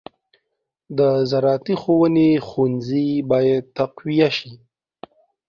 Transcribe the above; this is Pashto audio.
د زراعتي ښوونې ښوونځي باید تقویه شي.